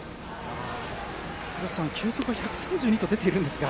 球速は１３２と出ているんですが。